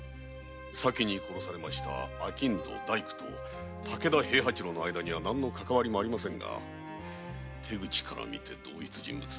先に殺された商人大工平八郎の間には何の関係もありませんが手口から見て同一人物。